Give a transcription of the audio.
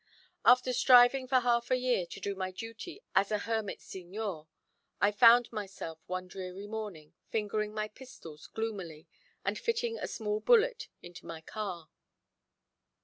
After striving for half a year to do my duty as a hermit Signor, I found myself, one dreary morning, fingering my pistols gloomily, and fitting a small bullet into my ear.